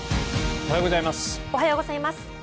おはようございます。